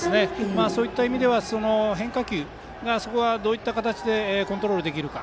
そういった意味では変化球がどういった形でコントロールできるか。